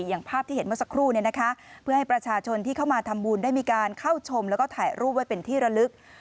อย่างภาพที่เห็นเมื่อสักครู่เพื่อให้ประชาชนที่เข้ามาทำบุญได้มีการเข้าชมแล้วก็ถ่ายรูปไว้เป็นที่ระลึก